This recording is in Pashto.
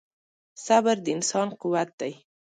• صبر د انسان قوت دی.